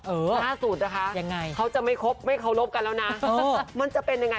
เออยังไงภาษาศูนย์นะคะเขาจะไม่ครบไม่เคารพกันแล้วนะมันจะเป็นยังไง